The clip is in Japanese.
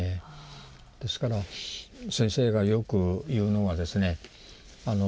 ですから先生がよく言うのはですね